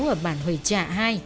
ở bản hồi trạ hai